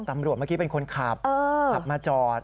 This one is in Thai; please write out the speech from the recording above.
เมื่อกี้เป็นคนขับขับมาจอด